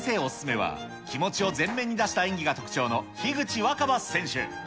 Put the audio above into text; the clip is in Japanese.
お勧めは、気持ちを全面に出した演技が特徴の樋口新葉選手。